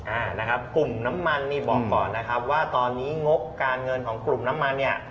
อ่านะครับกลุ่มน้ำมันนี่บอกก่อนนะครับว่าตอนนี้งบการเงินของกลุ่มน้ำมันเนี่ย